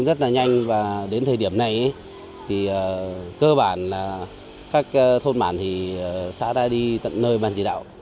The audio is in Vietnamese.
rất là nhanh và đến thời điểm này thì cơ bản là các thôn bản thì xã đã đi tận nơi bàn chỉ đạo